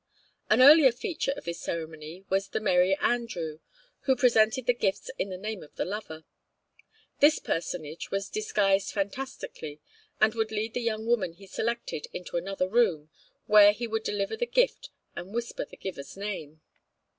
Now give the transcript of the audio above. An earlier feature of this ceremony was the Merry Andrew, who presented the gifts in the name of the lover. This personage was disguised fantastically, and would lead the young woman he selected into another room, where he would deliver the gift and whisper the giver's name.